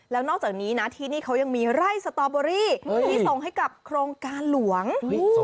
แล้วนอกจากนี้นะที่นี่เขายังมีไร่สตอเบอรี่ที่ส่งให้กับโครงการหลวง